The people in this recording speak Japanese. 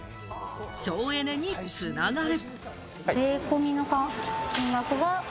省エネにつながる。